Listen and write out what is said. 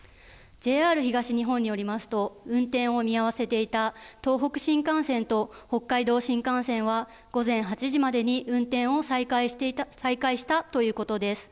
ＪＲ東日本によりますと、運転を見合わせていた東北新幹線と北海道新幹線は午前８時までに運転を再開したということです。